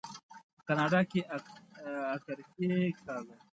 په کاناډا کې اکرښې کاږم.